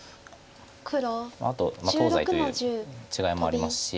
あと東西という違いもありますし。